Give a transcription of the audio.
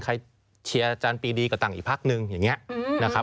ใครเชียร์จานปีดีกับต่างอีกภาคหนึ่งอย่างนี้นะครับ